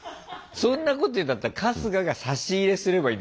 そんなこと言うんだったら春日が差し入れすればいいんだよ